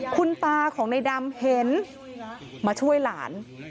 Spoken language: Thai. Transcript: คุณตาของในดำเห็นมาช่วยหลาน